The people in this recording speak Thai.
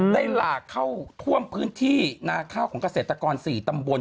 หลากเข้าท่วมพื้นที่นาข้าวของเกษตรกร๔ตำบล